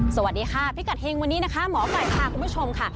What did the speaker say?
สวัสดีค่ะพิกัดเฮงวันนี้นะคะหมอไก่พาคุณผู้ชมค่ะ